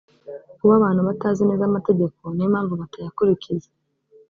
kuba abantu batazi neza amategeko niyo mpamvu batayakurikiza